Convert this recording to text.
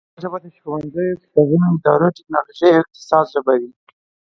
کره ژبه د ښوونځیو، کتابونو، ادارو، ټکنولوژۍ او اقتصاد ژبه وي